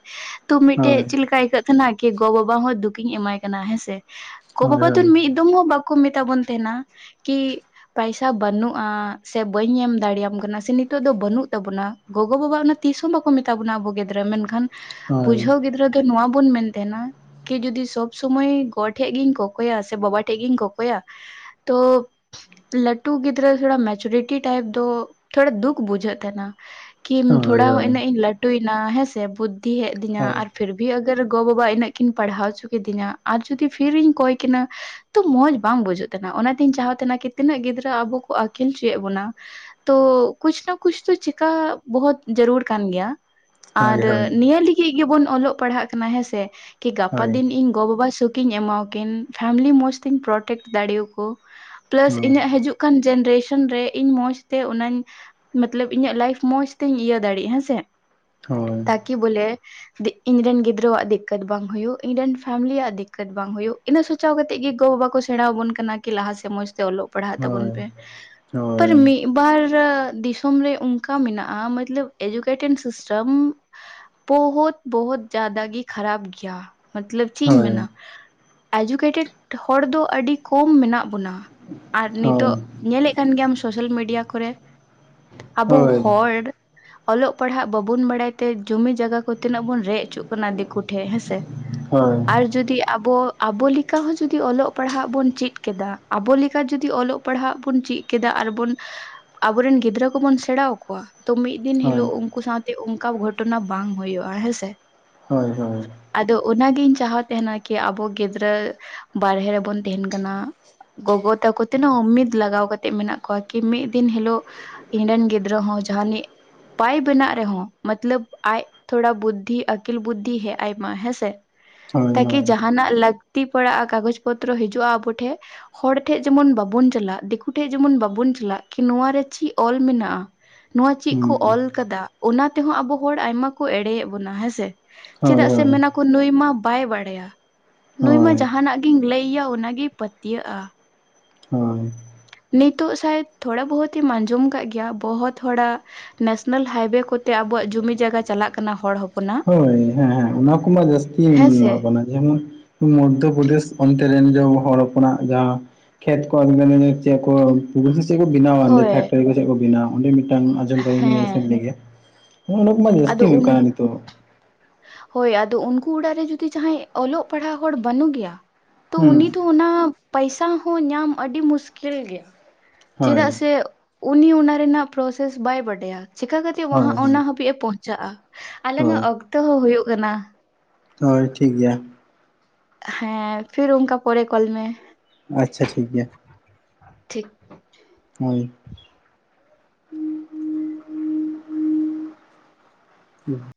[SPEAKER 1] ᱛᱚ ᱢᱤᱫᱴᱮᱡ
[SPEAKER 2] ᱦᱳᱭ
[SPEAKER 1] ᱪᱮᱫ ᱞᱮᱠᱟ ᱟᱹᱭᱠᱟᱹᱜᱼᱼ ᱠᱟᱱᱟ ᱠᱤ ᱜᱚᱼ ᱵᱟᱵᱟ ᱦᱚᱸ ᱫᱩᱠᱷᱤᱧ ᱮᱢᱟᱭ ᱠᱟᱱᱟ ᱦᱮᱸ ᱥᱮ, ᱜᱚ
[SPEAKER 2] ᱦᱳᱭ
[SPEAKER 1] ᱵᱟᱵᱟ ᱫᱚ
[SPEAKER 2] ᱦᱳᱭ
[SPEAKER 1] ᱢᱤᱜᱼᱼ [inaudible] ᱦᱚᱸ ᱵᱟᱠᱚ ᱢᱮᱛᱟ ᱵᱚᱱ ᱛᱟᱦᱮᱱᱟ, ᱠᱤᱼᱼ ᱯᱟᱭᱥᱟ ᱵᱟᱹᱱᱩᱜᱼᱟ, ᱥᱮ ᱵᱟᱹᱧ ᱮᱢ ᱫᱟᱲᱮᱭᱟᱢ ᱠᱟᱱᱟ ᱥᱮ ᱱᱤᱛᱚᱜ ᱫᱚ ᱵᱟᱹᱱᱩᱜ ᱛᱟᱵᱚᱱᱟ, ᱜᱚᱜᱚ ᱵᱟᱵᱟ ᱚᱱᱟ ᱛᱤᱥ ᱦᱚᱸ ᱵᱟᱠᱼᱼ ᱢᱮᱛᱟ ᱵᱚᱱᱟ ᱟᱵᱚ ᱜᱤᱫᱽᱨᱟᱹ ᱢᱮᱱᱠᱷᱟᱱ,
[SPEAKER 2] ᱦᱳᱭ
[SPEAKER 1] ᱵᱩᱡᱷᱟᱹᱣ ᱜᱤᱫᱽᱨᱟᱹ ᱫᱚ ᱱᱚᱣᱟ ᱵᱚᱱ ᱢᱮᱱ ᱛᱟᱦᱮᱱᱟᱼᱼ ᱠᱤ ᱡᱩᱫᱤ ᱥᱚᱵ ᱥᱚᱢᱚᱭ, ᱜᱚ ᱴᱷᱮᱡ ᱜᱤᱧ ᱠᱚᱠᱚᱭᱟ ᱥᱮ ᱵᱟᱵᱟ ᱴᱷᱮᱡ ᱜᱤᱧ ᱠᱚᱠᱚᱭᱟ ᱛᱳᱯ ᱞᱟᱹᱴᱩ ᱜᱤᱫᱽᱨᱟᱹ [inaudible] ᱢᱮᱪᱩᱨᱤᱴᱤ ᱴᱟᱭᱤᱯ ᱫᱚ, ᱛᱷᱚᱲᱟ ᱫᱩᱠᱷ ᱵᱩᱡᱷᱟᱹᱜ ᱛᱟᱦᱮᱱᱟ᱾ ᱠᱤᱢ ᱛᱷᱚᱲᱟ
[SPEAKER 2] ᱦᱳᱭ
[SPEAKER 1] ᱦᱚᱸ ᱤᱱᱟᱹᱜ ᱤᱧ ᱞᱟᱹᱴᱩᱭ ᱱᱟ ᱦᱮᱸ ᱥᱮ, ᱵᱩᱫᱽᱫᱷᱤ ᱦᱮᱡ ᱟᱹᱫᱤᱧᱟ
[SPEAKER 2] ᱦᱳᱭ
[SPEAKER 1] ᱟᱨ ᱯᱷᱤᱨᱼᱼ ᱵᱷᱤ ᱟᱜᱟᱨ ᱜᱚ ᱵᱟᱵᱟ ᱤᱱᱟᱹᱜ ᱠᱤᱱ ᱯᱟᱲᱦᱟᱣ ᱦᱚᱪᱚ ᱠᱤᱫᱤᱧᱟ ᱟᱨ ᱡᱩᱫᱤ ᱯᱷᱤᱨ ᱤᱧ ᱠᱚᱭ ᱠᱤᱱᱟ. ᱾ ᱛᱚ ᱢᱚᱸᱡᱽ ᱵᱟᱝ ᱵᱩᱡᱩᱜ ᱛᱟᱦᱮᱱᱟ ᱚᱱᱟᱛᱤᱧ ᱪᱟᱦᱟᱣ ᱛᱮᱦᱮᱱᱟ ᱠᱤ ᱛᱤᱱᱟᱹᱜ ᱜᱤᱫᱽᱨᱟᱹ ᱟᱵᱚ ᱠᱚ ᱟᱹᱠᱤᱞ ᱦᱚᱪᱚᱭᱮᱫ ᱵᱚᱱᱟᱼᱼ ᱛᱚ, ᱠᱩᱪ ᱱᱟ ᱠᱩᱪ ᱛᱚ ᱪᱤᱠᱟ, ᱵᱚᱦᱩᱛ, ᱡᱟᱹᱨᱩᱨᱼᱼ ᱠᱟᱱ ᱜᱮᱭᱟ, ᱟᱨ,
[SPEAKER 2] ᱦᱳᱭ ᱦᱳᱭ ᱦᱳᱭ
[SPEAKER 1] ᱱᱤᱭᱟᱹ ᱞᱤᱜᱤᱫ ᱜᱮᱵᱚᱱ ᱚᱞᱚᱜ ᱯᱟᱲᱦᱟᱜ ᱠᱟᱱᱟ ᱦᱮᱸ ᱥᱮ᱾ ᱠᱤ ᱜᱟᱯᱟ
[SPEAKER 2] ᱦᱳᱭ
[SPEAKER 1] ᱫᱤᱱ ᱤᱧᱼᱼ ᱜᱚᱼ ᱵᱟᱵᱟ ᱥᱩᱠᱷ ᱤᱧ ᱮᱢᱟᱣ ᱟᱠᱤᱱ ᱯᱷᱮᱢᱞᱤ ᱢᱚᱸᱡᱽ ᱛᱤᱧ ᱯᱨᱚᱴᱮᱠᱴ ᱫᱟᱲᱮ ᱟᱠᱚ᱾ ᱯᱞᱟᱥ
[SPEAKER 2] ᱦᱩᱸ
[SPEAKER 1] ᱤᱧᱟᱹᱜ ᱦᱤᱡᱩᱜᱼᱼ ᱠᱟᱱ ᱡᱮᱱᱟᱨᱮᱥᱚᱱ ᱨᱮ ᱤᱧ ᱢᱚᱸᱡᱽ ᱛᱮ ᱚᱱᱟᱧ, ᱢᱚᱛᱞᱚᱵ ᱤᱧᱟᱹᱜ ᱞᱟᱭᱤᱯᱷ ᱢᱚᱸᱡᱽ ᱛᱤᱧ ᱤᱭᱟᱹ ᱫᱟᱲᱮᱜ ᱦᱮᱸᱼᱼ ᱪᱮᱜ?
[SPEAKER 2] ᱦᱳᱭ
[SPEAKER 1] ᱛᱟᱠᱤ ᱵᱚᱞᱮ ᱫᱤᱼᱼ ᱤᱧ ᱨᱮᱱ ᱜᱤᱫᱽᱨᱟᱹᱣᱟᱜ ᱫᱤᱠᱠᱟᱹᱛ ᱵᱟᱝ ᱦᱩᱭᱩᱜ, ᱤᱧᱨᱮᱱ ᱯᱷᱮᱢᱞᱤᱭᱟᱜ ᱫᱤᱠᱠᱟᱹᱛ ᱵᱟᱝ ᱦᱩᱭᱩᱜ ᱤᱱᱟᱹ ᱥᱚᱪᱷᱟᱣ ᱠᱟᱛᱮ ᱜᱮ ᱜᱚ ᱵᱟᱵᱟ ᱠᱚᱼᱼ ᱥᱮᱲᱟᱣ ᱟᱵᱚᱱ ᱠᱟᱱᱟ ᱠᱤ ᱞᱟᱦᱟ ᱥᱮᱜ ᱢᱚᱸᱡᱽ ᱛᱮ ᱚᱞᱚᱜ ᱯᱟᱲᱦᱟᱜ ᱛᱟᱵᱚᱱ
[SPEAKER 2] ᱦᱳᱭ
[SPEAKER 1] ᱯᱮ, ᱯᱟᱨ
[SPEAKER 2] ᱦᱳᱭ
[SPEAKER 1] ᱢᱤᱫᱼᱼ ᱵᱟᱨ, ᱫᱤᱥᱚᱢ ᱨᱮ ᱚᱱᱠᱟ ᱢᱮᱱᱟᱜᱼᱟ, ᱢᱚᱛᱞᱚᱵ [inaudible] ᱼᱼ ᱯᱮᱨᱴᱮᱱ ᱥᱤᱥᱴᱮᱢ, ᱵᱚᱦᱚᱛᱼᱵᱚᱦᱚᱛ ᱡᱟᱫᱟ ᱜᱮ ᱠᱷᱟᱨᱵ ᱜᱮᱭᱟ᱾ ᱢᱚᱛᱞᱚᱵ
[SPEAKER 2] ᱦᱳᱭ
[SPEAKER 1] ᱪᱮᱜ ᱤᱧ ᱢᱮᱱᱟ,
[SPEAKER 2] ᱦᱳᱭ
[SPEAKER 1] ᱮᱡᱩᱠᱮᱴᱮᱰ, ᱦᱚᱲ ᱫᱚ ᱟᱹᱰᱤ ᱠᱚᱢ ᱢᱮᱱᱟᱜ ᱵᱚᱱᱟ᱾ ᱟᱨ
[SPEAKER 2] ᱦᱳᱭ ᱦᱳᱭ
[SPEAKER 1] ᱱᱤᱛᱚᱜ, ᱧᱮ ᱞᱮᱜ ᱠᱟᱱ ᱜᱮᱭᱟᱢ ᱥᱳᱥᱟᱞ ᱢᱤᱰᱤᱭᱟ ᱠᱚᱨᱮ, ᱟᱵᱚ ᱦᱚᱲᱼᱼ ᱚᱞᱚᱜ ᱯᱟᱲᱦᱟᱜ ᱵᱟᱵᱚᱱ ᱵᱟᱲᱟᱭ ᱛᱮ ᱡᱩᱢᱤ ᱡᱟᱭᱜᱟ ᱠᱚ ᱛᱤᱱᱟᱹᱜ ᱵᱚᱱ ᱨᱮᱡ ᱚᱪᱚᱜ ᱠᱟᱱᱟ ᱫᱤᱠᱼᱼ ᱠᱚᱴᱷᱮ ᱦᱮᱸ ᱥᱮ,
[SPEAKER 2] ᱦᱳᱭ ᱦᱳᱭ
[SPEAKER 1] ᱟᱨᱼᱼ ᱡᱩᱫᱤ ᱟᱵᱚ, ᱟᱵᱚ ᱞᱮᱠᱟ ᱦᱚᱸ ᱡᱩᱫᱤ ᱚᱞᱚᱜ ᱯᱟᱲᱦᱟᱜ ᱵᱚᱱ ᱪᱮᱫ ᱠᱮᱫᱟ, ᱟᱵᱚ ᱞᱮᱠᱟ ᱡᱩᱫᱤ ᱚᱞᱚᱜᱼᱼ ᱯᱟᱲᱦᱟᱜ ᱵᱚᱱ ᱪᱮᱜ ᱠᱮᱫᱟ ᱟᱨᱵᱚᱱ, ᱟᱵᱚᱨᱮᱱ ᱜᱤᱫᱽᱨᱟᱹ ᱠᱚᱵᱚᱱ ᱥᱮᱲᱟᱣ ᱟᱠᱚᱣᱟ, ᱫᱚ ᱢᱤᱫᱼᱼ ᱢᱤᱫ ᱫᱤᱱ ᱦᱤᱞᱳᱜ ᱩᱱᱠᱩ ᱥᱟᱶᱛᱮ ᱚᱱᱠᱟ ᱜᱷᱚᱴᱚᱱᱟ ᱵᱟᱝ ᱦᱩᱭᱩᱜᱼᱟ ᱦᱮᱸ ᱥᱮ᱾
[SPEAKER 2] ᱦᱳᱭ ᱦᱳᱭ᱾
[SPEAKER 1] ᱟᱫᱚ ᱚᱱᱟᱜᱤᱧ ᱪᱟᱦᱟᱣ ᱛᱟᱦᱮᱱᱟ ᱠᱤ ᱟᱵᱚ ᱜᱤᱫᱽᱨᱟᱹ, ᱵᱟᱦᱨᱮᱮ ᱨᱮᱵᱚᱱ ᱛᱟᱦᱮᱱ ᱠᱟᱱᱟᱼᱼ ᱜᱚᱜᱚ ᱛᱟᱠᱚ ᱛᱤᱱᱟᱹ ᱩᱢᱤᱫ ᱞᱟᱜᱟᱣ ᱠᱟᱛᱮᱜ ᱢᱮᱱᱟᱜ ᱠᱚᱣᱟ ᱠᱤ ᱢᱤᱫ ᱫᱤᱱ ᱦᱤᱞᱳᱜᱼᱼ ᱤᱧ ᱨᱮᱱ ᱜᱤᱫᱽᱨᱟᱹ ᱦᱚᱸ ᱡᱟᱦᱟᱱᱤᱜᱼᱼ ᱵᱟᱭ ᱵᱮᱱᱟᱜ ᱨᱮ ᱦᱚᱸ, ᱢᱚᱛᱞᱚᱵ ᱟᱡ ᱛᱷᱚᱲᱟ ᱵᱩᱫᱷᱤ ᱟᱹᱠᱤᱞ ᱵᱩᱫᱷᱤ ᱦᱮᱜ ᱟᱭ ᱢᱟ ᱦᱮᱸ ᱥᱮ᱾ ᱛᱟᱠᱤ ᱡᱟᱦᱟᱱᱟᱜ ᱞᱟᱹᱠᱛᱤ ᱯᱟᱲᱟᱜᱼᱟ, ᱠᱟᱜᱚᱡ ᱯᱚᱛᱨᱚ ᱦᱤᱡᱩᱜᱼᱟ ᱟᱵᱚ ᱴᱷᱮᱡᱼᱼ ᱦᱚᱲ ᱴᱷᱮᱡ ᱡᱮᱢᱚᱱ ᱵᱟᱵᱚᱱ ᱪᱟᱞᱟᱜ, ᱫᱤᱠᱩ ᱴᱷᱮᱡ ᱡᱮᱢᱚᱱ ᱵᱟᱵᱚᱱ ᱪᱟᱞᱟᱜ, ᱠᱤ ᱱᱚᱣᱟ ᱨᱮ ᱪᱮᱫ ᱚᱞ ᱢᱮᱱᱟᱜᱼᱟ᱾ ᱱᱚᱣᱟᱼᱼ
[SPEAKER 2] ᱦᱩᱸ ᱦᱳᱭ
[SPEAKER 1] ᱠᱚ ᱚᱞ ᱠᱟᱫᱟ, ᱚᱱᱟ ᱛᱮ ᱦᱚᱸ ᱟᱵᱚ ᱦᱚᱲ ᱟᱭᱢᱟ ᱠᱚ ᱮᱲᱮᱭᱮᱫ ᱵᱚᱱᱟ ᱦᱮᱸ ᱥᱮ, ᱪᱮᱫᱟᱜ
[SPEAKER 2] ᱦᱳᱭ
[SPEAKER 1] ᱥᱮ ᱢᱮᱱᱼᱼ ᱠᱚ ᱱᱩᱭ ᱢᱟ ᱵᱟᱭ ᱵᱟᱲᱟᱭᱟ, ᱱᱩᱭ ᱢᱟ
[SPEAKER 2] ᱦᱳᱭ
[SPEAKER 1] ᱡᱟᱦᱟᱸᱱᱟᱜ ᱜᱤᱧ ᱞᱟᱹᱭ ᱟᱭᱟ ᱚᱱᱟ ᱜᱮᱭ ᱯᱟᱹᱛᱭᱟᱹᱜᱼᱟ᱾
[SPEAKER 2] ᱦᱳᱸᱭ᱾
[SPEAKER 1] ᱱᱤᱛᱚᱜ ᱥᱟᱭᱮᱫ, ᱛᱷᱚᱲᱟ ᱵᱚᱦᱚᱛ ᱮᱢ ᱟᱸᱡᱚᱢ ᱠᱟᱜ ᱜᱮᱭᱟ ᱵᱚᱦᱚᱛ ᱦᱚᱲᱟᱼᱼ ᱱᱮᱥᱱᱟᱞ ᱦᱟᱭᱼᱵᱮ ᱠᱚ ᱛᱮ ᱟᱵᱚᱣᱟᱜ ᱡᱩᱢᱤ ᱡᱟᱭᱜᱟ ᱪᱟᱞᱟᱜ ᱠᱟᱱᱟ ᱦᱚᱲ ᱦᱚᱼᱼ
[SPEAKER 2] ᱦᱚᱭ ᱦᱮᱸ ᱦᱮᱸ ᱚᱱᱟ ᱠᱚ ᱢᱟ ᱡᱟᱹᱥᱛᱤ
[SPEAKER 1] ᱦᱮᱸᱥᱮ
[SPEAKER 2] [unintelligible] ᱡᱮᱢᱚᱱ ᱢᱚᱫᱽᱫᱷᱚ ᱯᱨᱚᱫᱮᱥ ᱚᱱᱛᱮ ᱨᱮᱱ ᱡᱮ ᱦᱚᱲ ᱦᱚᱯᱚᱱ ᱟᱜ ᱡᱟᱦᱟᱸ ᱠᱷᱮᱛ ᱠᱚ ᱟᱹᱰᱤ ᱜᱟᱱ [unintelligible] [unintelligible] ᱠᱚ ᱵᱮᱱᱟᱣᱟ ᱚᱸᱰᱮ
[SPEAKER 1] ᱦᱳᱭ
[SPEAKER 2] ᱯᱷᱮᱠᱴᱟᱨᱤ ᱠᱚ ᱥᱮᱫ ᱠᱚ ᱵᱮᱱᱟᱣᱟ ᱚᱸᱰᱮ ᱢᱤᱫᱴᱟᱝ ᱟᱸᱡᱚᱢ
[SPEAKER 1] ᱦᱮᱸ
[SPEAKER 2] [unintelligible] ᱱᱚᱜ ᱱᱟ ᱠᱚᱢᱟ ᱡᱟᱥᱹᱛᱤ ᱦᱩᱭᱩᱜ ᱠᱟᱱᱟ ᱱᱤᱛᱚᱜ ᱾
[SPEAKER 1] ᱦᱚᱭ ᱟᱫᱚ ᱩᱱᱠᱩ ᱚᱲᱟᱜ ᱨᱮ ᱡᱩᱫᱤ ᱡᱟᱦᱟᱸᱭ ᱚᱞᱚᱜ ᱯᱟᱲᱦᱟᱜ ᱦᱚᱲ ᱵᱟᱹᱱᱩᱜ ᱜᱮᱭᱟ ᱛᱚ
[SPEAKER 2] ᱦᱩᱸ
[SPEAKER 1] ᱩᱱᱤ ᱫᱚ ᱚᱱᱟ ᱯᱚᱭᱥᱟ ᱦᱚᱸ ᱧᱟᱢ ᱟᱹᱰᱤ ᱢᱩᱥᱠᱤᱞ ᱜᱮ ᱾
[SPEAKER 2] ᱦᱳᱭ
[SPEAKER 1] ᱪᱮᱫᱟᱜ ᱥᱮ ᱩᱱᱤ ᱚᱱᱟ ᱨᱮᱱᱟᱜ ᱯᱨᱚᱥᱮᱥ ᱵᱟᱭ ᱵᱟᱰᱟᱭᱟ ᱾ ᱪᱮᱠᱟ ᱠᱟᱛᱮ ᱣᱟᱱᱦᱟ
[SPEAKER 2] ᱦᱳᱭ
[SPEAKER 1] ᱚᱱᱟ
[SPEAKER 2] ᱦᱳᱭ
[SPEAKER 1] ᱦᱟᱹᱵᱤᱡ ᱮ ᱯᱚᱸᱦᱪᱟᱜᱼᱟ ᱟᱞᱟᱝ ᱟᱜ
[SPEAKER 2] ᱦᱳᱭ
[SPEAKER 1] ᱚᱠᱛᱚ ᱦᱚᱸ ᱦᱩᱭᱩᱜ ᱠᱟᱱᱟ ᱾
[SPEAKER 2] ᱦᱚᱭ ᱴᱷᱤᱠ ᱜᱮᱭᱟ ᱾
[SPEAKER 1] ᱦᱮᱸ ᱯᱷᱤᱨ ᱚᱱᱠᱟ ᱯᱚᱨᱮ ᱠᱚᱞ ᱢᱮ ᱾
[SPEAKER 2] ᱟᱪᱪᱷᱟ ᱴᱷᱤᱠ ᱜᱮᱭᱟ ᱾
[SPEAKER 1] ᱴᱷᱤᱠ
[SPEAKER 2] ᱦᱚᱭ [unintelligible]